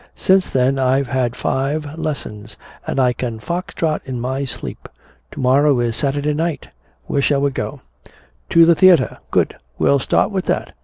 Since then I've had five lessons, and I can fox trot in my sleep. To morrow is Saturday. Where shall we go?" "To the theater." "Good. We'll start with that.